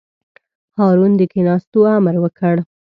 هارون د کېناستو امر وکړ.